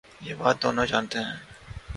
یہ بات دونوں جا نتے ہیں۔